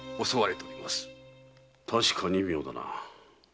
確かに妙だな。